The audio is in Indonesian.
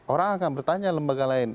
orang akan bertanya lembaga lain